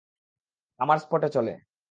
আমার স্পটে চলে।